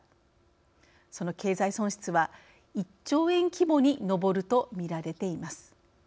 その経済損失は１兆円規模に上るとみられています。